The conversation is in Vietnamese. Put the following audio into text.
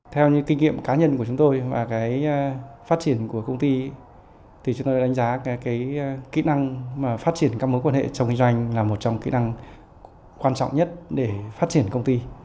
theo những kinh nghiệm cá nhân của chúng tôi và phát triển của công ty thì chúng tôi đã đánh giá kỹ năng phát triển các mối quan hệ trong kinh doanh là một trong kỹ năng quan trọng nhất để phát triển công ty